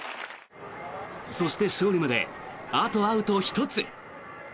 そして勝利まであとアウト１つ。